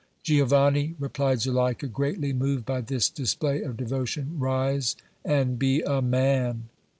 "Giovanni," replied Zuleika, greatly moved by this display of devotion, "rise and be a man!"